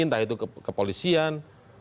entah itu kepolisian